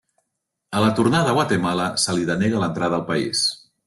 A la tornada a Guatemala se li denega l'entrada al país.